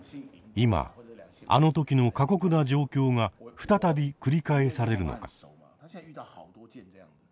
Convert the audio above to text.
今あの時の過酷な状況が再び繰り返されるのか。